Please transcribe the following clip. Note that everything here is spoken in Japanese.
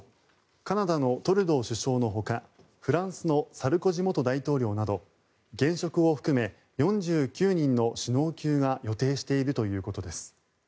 カナダのトルドー首相のほかフランスのサルコジ元大統領など現職を含め４９人の首脳級が予定しているということです。